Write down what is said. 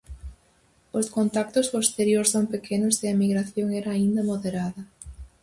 Os contactos co exterior son pequenos e a emigración era aínda moderada.